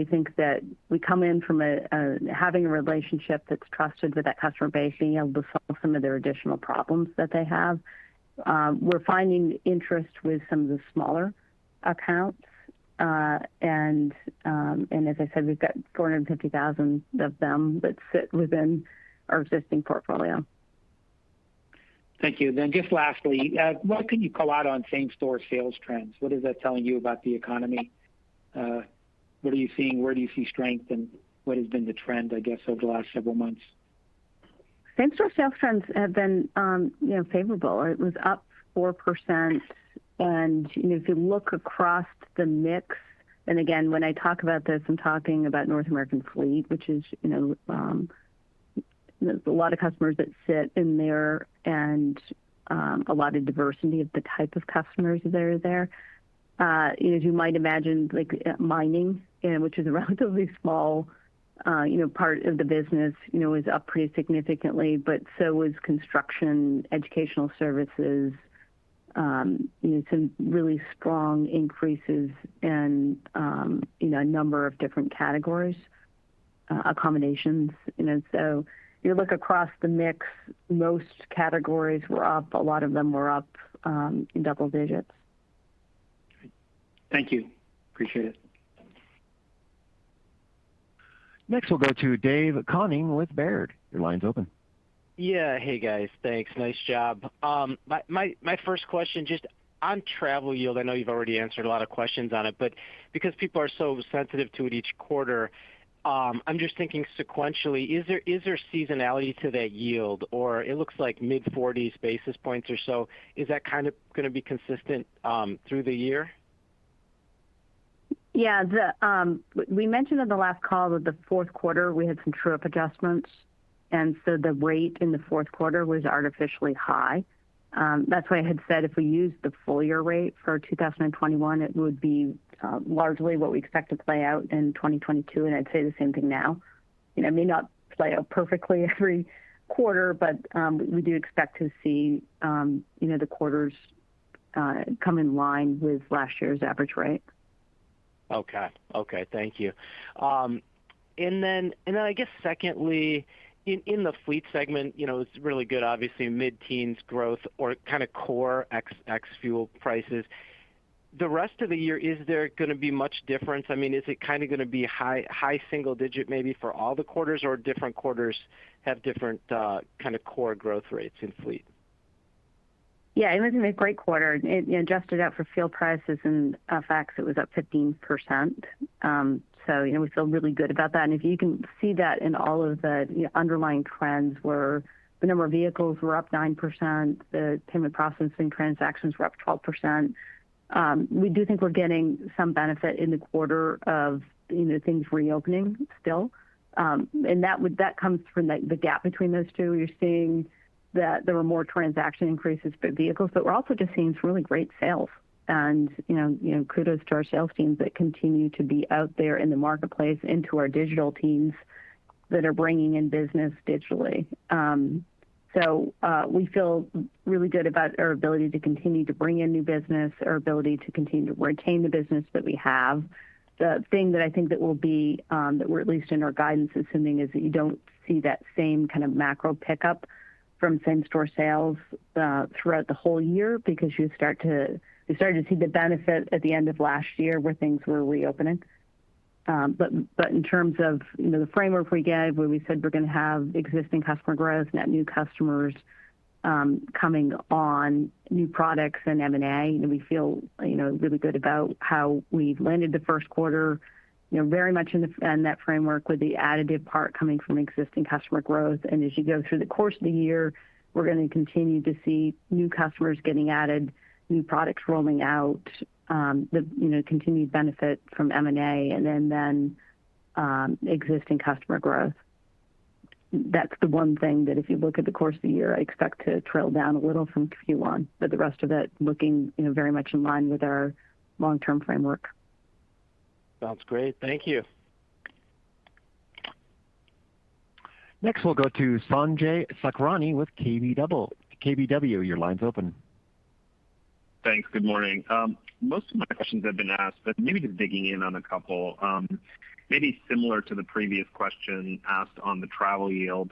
We think that we come in from having a relationship that's trusted with that customer base, being able to solve some of their additional problems that they have. We're finding interest with some of the smaller accounts. As I said, we've got 450,000 of them that sit within our existing portfolio. Thank you. Just lastly, what can you call out on same-store sales trends? What is that telling you about the economy? What are you seeing? Where do you see strength, and what has been the trend, I guess, over the last several months? Same-store sales trends have been, you know, favorable. It was up 4%. You know, if you look across the mix, and again, when I talk about this, I'm talking about North American fleet, which is, you know, there's a lot of customers that sit in there and a lot of diversity of the type of customers that are there. As you might imagine, like mining, which is a relatively small, you know, part of the business, you know, is up pretty significantly, but so is construction, educational services, you know, some really strong increases and, you know, a number of different categories, accommodations, you know. You look across the mix, most categories were up. A lot of them were up in double digits. Thank you. Appreciate it. Next, we'll go to Dave Koning with Baird. Your line's open. Yeah. Hey, guys. Thanks. Nice job. My first question, just on travel yield, I know you've already answered a lot of questions on it, but because people are so sensitive to it each quarter, I'm just thinking sequentially, is there seasonality to that yield? Or it looks like mid-40s basis points or so. Is that kind of gonna be consistent through the year? Yeah. We mentioned on the last call that the fourth quarter we had some true-up adjustments, and so the rate in the fourth quarter was artificially high. That's why I had said if we use the full year rate for 2021, it would be largely what we expect to play out in 2022, and I'd say the same thing now. You know, it may not play out perfectly every quarter, but we do expect to see, you know, the quarters come in line with last year's average rate. Okay. Thank you. I guess secondly, in the fleet segment, you know, it's really good, obviously mid-teens growth or kind of core ex fuel prices. The rest of the year, is there gonna be much difference? I mean, is it kind of gonna be high single digit maybe for all the quarters or different quarters have different kind of core growth rates in fleet? Yeah, it was a great quarter. It, you know, adjusted out for fuel prices and FX, it was up 15%. So, you know, we feel really good about that. If you can see that in all of the, you know, underlying trends where the number of vehicles were up 9%, the payment processing transactions were up 12%. We do think we're getting some benefit in the quarter of, you know, things reopening still. That comes from the gap between those two. You're seeing that there were more transaction increases for vehicles, but we're also just seeing some really great sales. You know, kudos to our sales teams that continue to be out there in the marketplace and to our digital teams that are bringing in business digitally. We feel really good about our ability to continue to bring in new business, our ability to continue to retain the business that we have. The thing that I think that will be that we're at least in our guidance assuming is that you don't see that same kind of macro pickup from same-store sales throughout the whole year because we started to see the benefit at the end of last year where things were reopening. But in terms of, you know, the framework we gave where we said we're gonna have existing customer growth, net new customers coming on new products and M&A, you know, we feel, you know, really good about how we've landed the first quarter, you know, very much in that framework with the additive part coming from existing customer growth. As you go through the course of the year, we're gonna continue to see new customers getting added, new products rolling out, the, you know, continued benefit from M&A and then existing customer growth. That's the one thing that if you look at the course of the year, I expect to trail down a little from Q1, but the rest of it looking, you know, very much in line with our long-term framework. Sounds great. Thank you. Next, we'll go to Sanjay Sakhrani with KB double-, KBW, your line's open. Thanks. Good morning. Most of my questions have been asked, but maybe just digging in on a couple. Maybe similar to the previous question asked on the travel yield.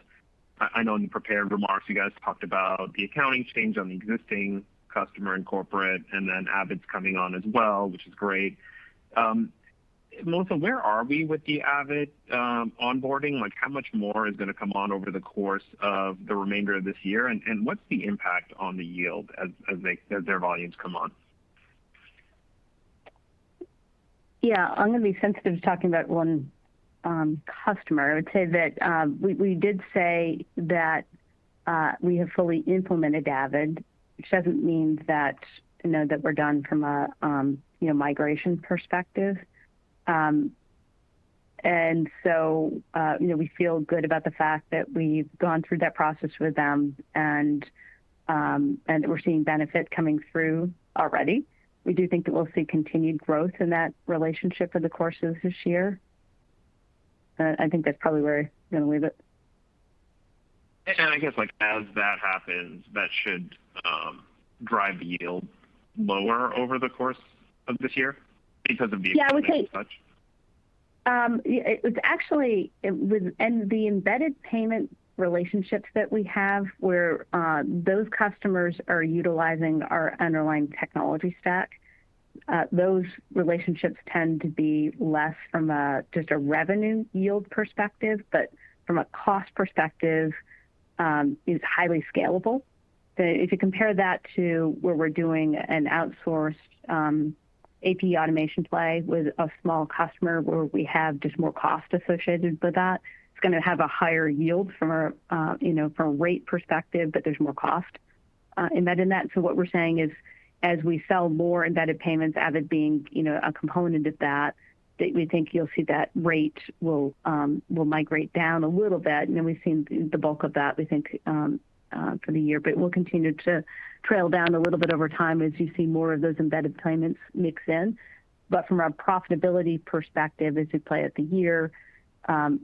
I know in prepared remarks you guys talked about the accounting change on the existing customer in corporate and then Avid's coming on as well, which is great. Melissa, where are we with the Avid onboarding? Like, how much more is gonna come on over the course of the remainder of this year? And what's the impact on the yield as their volumes come on? Yeah. I'm gonna be sensitive to talking about one customer. I would say that we did say that we have fully implemented Avid which doesn't mean that, you know, that we're done from a you know, migration perspective. You know, we feel good about the fact that we've gone through that process with them and we're seeing benefit coming through already. We do think that we'll see continued growth in that relationship over the course of this year. I think that's probably where I'm gonna leave it. I guess, like, as that happens, that should drive yield lower over the course of this year. The embedded payment relationships that we have where those customers are utilizing our underlying technology stack, those relationships tend to be less from a just a revenue yield perspective, but from a cost perspective is highly scalable. If you compare that to where we're doing an outsourced AP automation play with a small customer where we have just more cost associated with that, it's gonna have a higher yield from a you know from a rate perspective, but there's more cost embedded in that. What we're saying is as we sell more embedded payments, Avid being you know a component of that we think you'll see that rate will migrate down a little bit. We've seen the bulk of that, we think, for the year. We'll continue to trail down a little bit over time as you see more of those embedded payments mix in. From a profitability perspective, as we play out the year,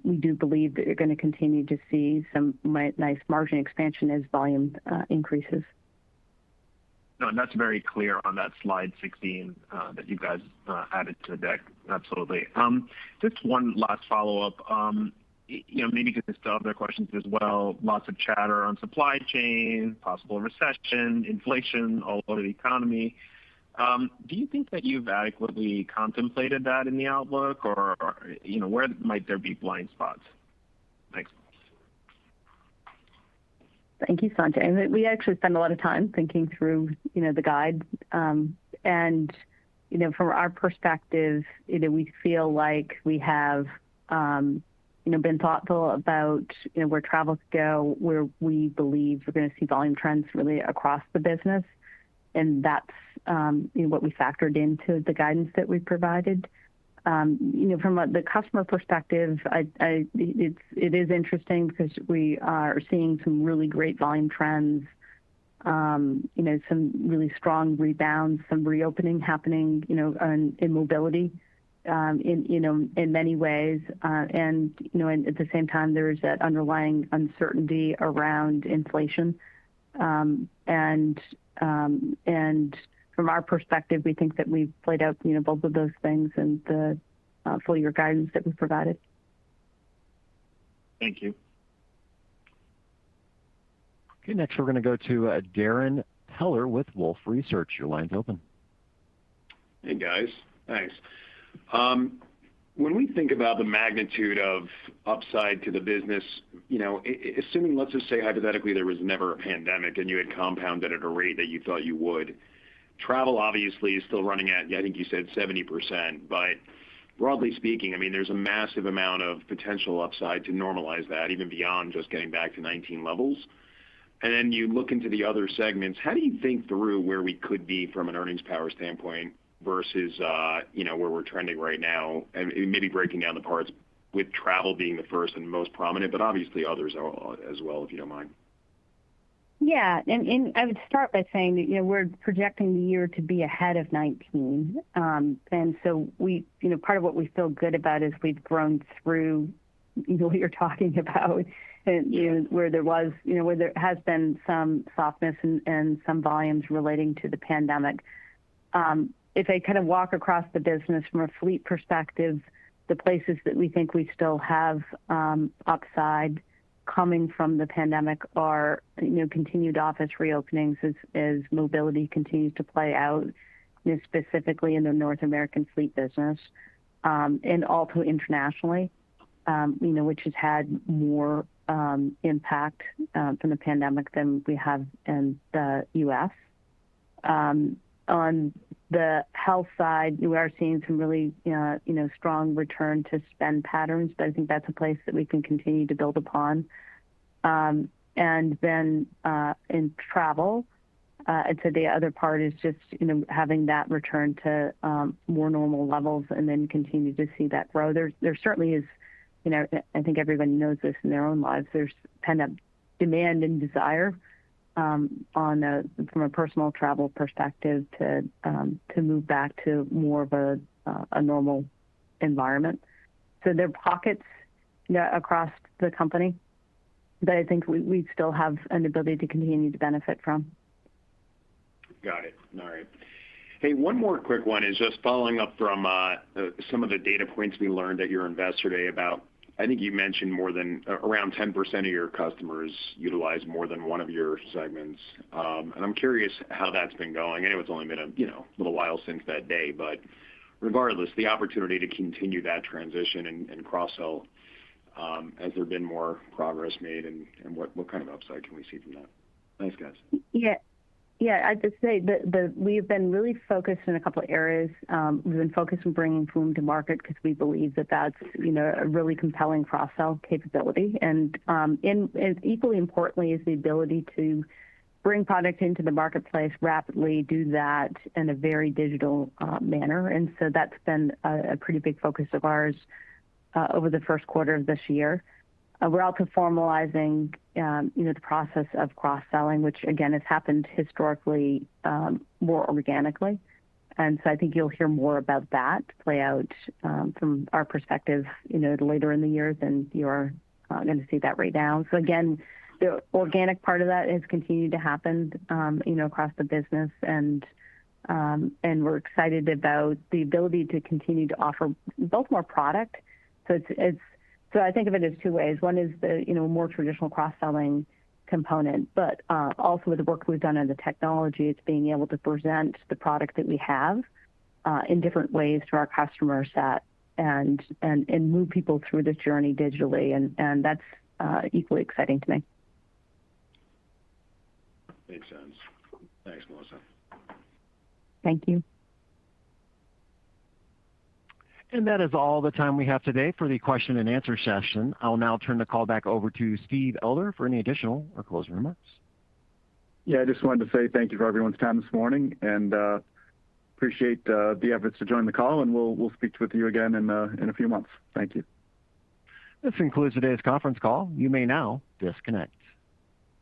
we do believe that you're gonna continue to see some nice margin expansion as volume increases. No, that's very clear on that slide 16 that you guys added to the deck. Absolutely. Just one last follow-up, you know, maybe 'cause there's other questions as well. Lots of chatter on supply chain, possible recession, inflation, all over the economy. Do you think that you've adequately contemplated that in the outlook or, you know, where might there be blind spots? Thanks. Thank you, Sanjay. We actually spend a lot of time thinking through, you know, the guide. From our perspective, you know, we feel like we have, you know, been thoughtful about, you know, where travel goes, where we believe we're gonna see volume trends really across the business, and that's, you know, what we factored into the guidance that we provided. From the customer perspective, it is interesting because we are seeing some really great volume trends, you know, some really strong rebounds, some reopening happening, you know, in mobility, in, you know, in many ways. At the same time, there is that underlying uncertainty around inflation. From our perspective, we think that we've played out, you know, both of those things in the full year guidance that we provided. Thank you. Okay. Next, we're gonna go to Darrin Peller with Wolfe Research. Your line's open. Hey, guys. Thanks. When we think about the magnitude of upside to the business, you know, assuming, let's just say hypothetically, there was never a pandemic and you had compounded at a rate that you thought you would. Travel obviously is still running at, I think you said 70%. But broadly speaking, I mean, there's a massive amount of potential upside to normalize that even beyond just getting back to 2019 levels. Then you look into the other segments, how do you think through where we could be from an earnings power standpoint versus, you know, where we're trending right now? Maybe breaking down the parts with travel being the first and most prominent, but obviously others are as well, if you don't mind. I would start by saying that, you know, we're projecting the year to be ahead of 2019. Part of what we feel good about is we've grown through, you know, what you're talking about and, you know, where there has been some softness and some volumes relating to the pandemic. If I kind of walk across the business from a fleet perspective, the places that we think we still have upside coming from the pandemic are, you know, continued office reopenings as mobility continues to play out, you know, specifically in the North American fleet business, and also internationally, you know, which has had more impact from the pandemic than we have in the U.S. On the health side, we are seeing some really, you know, strong return to spend patterns, but I think that's a place that we can continue to build upon. In travel, I'd say the other part is just, you know, having that return to more normal levels and then continue to see that grow. There certainly is, you know, I think everybody knows this in their own lives, there's kind of demand and desire from a personal travel perspective to move back to more of a normal environment. There are pockets, yeah, across the company that I think we still have an ability to continue to benefit from. Got it. All right. Hey, one more quick one is just following up from some of the data points we learned at your Investor Day about, I think you mentioned more than around 10% of your customers utilize more than one of your segments. And I'm curious how that's been going. I know it's only been a you know little while since that day. But regardless, the opportunity to continue that transition and cross-sell, has there been more progress made, and what kind of upside can we see from that? Thanks, guys. Yeah. Yeah. I'd just say we've been really focused in a couple areas. We've been focused on bringing Flume to market because we believe that that's, you know, a really compelling cross-sell capability. Equally importantly is the ability to bring product into the marketplace rapidly, do that in a very digital manner. That's been a pretty big focus of ours over the first quarter of this year. We're also formalizing you know, the process of cross-selling, which again, has happened historically more organically. I think you'll hear more about that play out from our perspective, you know, later in the year than you are gonna see that right now. Again, the organic part of that has continued to happen, you know, across the business and we're excited about the ability to continue to offer both more product. I think of it as two ways. One is, you know, more traditional cross-selling component, but also with the work we've done on the technology, it's being able to present the product that we have in different ways to our customer set and move people through this journey digitally and that's equally exciting to me. Makes sense. Thanks, Melissa. Thank you. That is all the time we have today for the question and answer session. I'll now turn the call back over to Steve Elder for any additional or closing remarks. Yeah, I just wanted to say thank you for everyone's time this morning, and appreciate the efforts to join the call, and we'll speak with you again in a few months. Thank you. This concludes today's conference call. You may now disconnect.